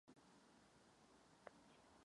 Leží na ostrově Santiago.